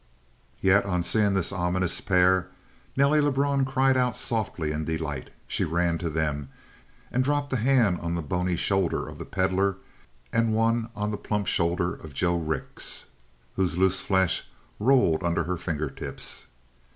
Yet on seeing this ominous pair, Nelly Lebrun cried out softly in delight. She ran to them, and dropped a hand on the bony shoulder of the Pedlar and one on the plump shoulder of Joe Rix, whose loose flesh rolled under her finger tips.